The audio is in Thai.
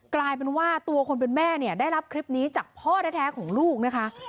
กลายเป็นว่าตัวคนเป็นแม่เนี่ยได้รับคลิปนี้จากพ่อแท้ของลูกนะคะ